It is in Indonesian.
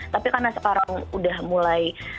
tapi karena sekarang udah mulai